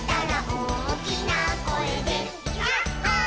「おおきなこえでヤッホー」